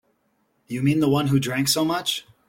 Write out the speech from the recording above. You mean the one who drank so much?